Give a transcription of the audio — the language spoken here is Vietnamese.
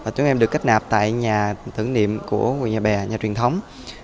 chúng em được kết nạp tại nhà tưởng niệm của nhà bè nhà truyền thống